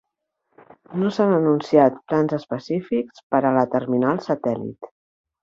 No s'han anunciat plans específics per a la terminal satèl·lit.